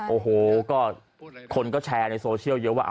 โอ้โหก็คนก็แชร์ในโซเชียลเยอะว่า